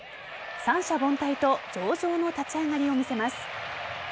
三者凡退と上々の立ち上がりを見せます。